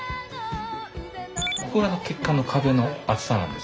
ここが血管の壁の厚さなんですね。